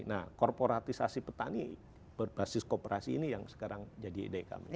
nah korporatisasi petani berbasis kooperasi ini yang sekarang jadi ide kami